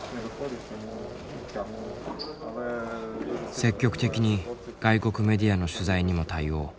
積極的に外国メディアの取材にも対応。